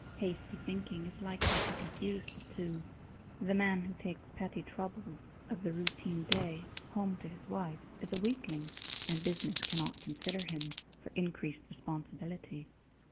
Hasty thinking is likely to confuse the two. The man who takes petty troubles of the routine day home to his wife is a weakling, and business cannot consider him for increased responsibility.